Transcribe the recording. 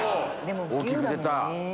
大きく出た。